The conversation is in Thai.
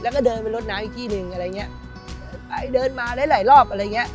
แล้วก็เดินไปลดน้ำอีกที่นึงอะไรเงี้ยไปเดินมาได้หลายรอบอะไรเงี้ย